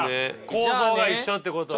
構造が一緒ってことだ。